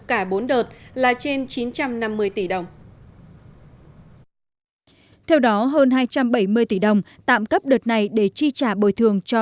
cả bốn đợt là trên chín trăm năm mươi tỷ đồng theo đó hơn hai trăm bảy mươi tỷ đồng tạm cấp đợt này để chi trả bồi thường cho